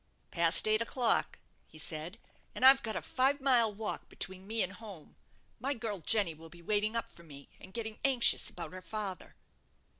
"Past eight o'clock," he said; "and I've got a five mile walk between me and home. My girl, Jenny, will be waiting up for me, and getting anxious about her father."